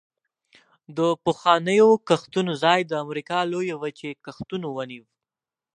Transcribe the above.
د پخوانیو کښتونو ځای د امریکا لویې وچې کښتونو ونیو